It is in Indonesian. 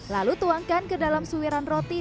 lalu tuangkan ke dalam suiran roti